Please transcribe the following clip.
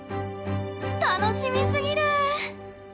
楽しみすぎる！